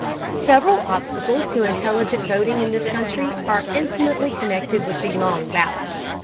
Several obstacles to intelligent voting in this country are intimately connected with the long ballot.